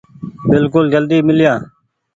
بلڪل جلدي ميليآن